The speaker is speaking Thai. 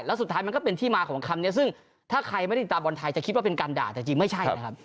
แล้วสุดท้ายมันก็เป็นที่มาของคำนี้ซึ่งถ้าใครไม่ได้ติดตามบอลไทยจะคิดว่าเป็นการด่าแต่จริงไม่ใช่นะครับ